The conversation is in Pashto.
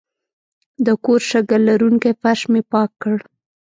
د کور شګه لرونکی فرش مې پاک کړ.